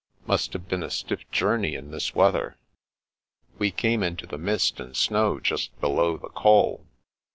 " Must have been a stiff journey in this weather." " We came into the mist and snow just below the Col."